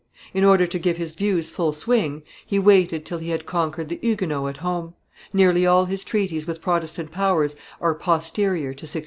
In order to give his views full swing, he waited till he had conquered the Huguenots at home: nearly all his treaties with Protestant powers are posterior to 1630.